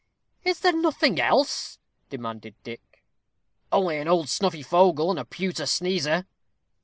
"Is there nothing else?" demanded Dick. "Only an old snuffy fogle and a pewter sneezer."